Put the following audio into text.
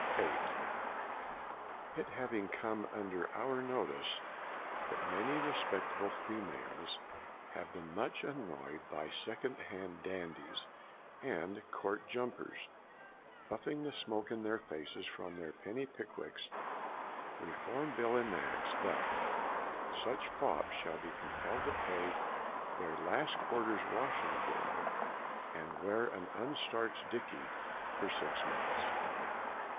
8. And it having come under our notice, that many respectable females have been much annoyed by second hand dandies' and counter jumpers puffing the smoke in their faces from their penny pickwicks, the Reform Bill enacts that such fops shall be compelled to pay their last quarter's washing bill, and wear an unstarched dicky for six months.